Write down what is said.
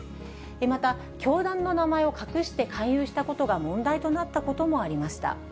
また、教団の名前を隠して勧誘したことが問題となったこともありました。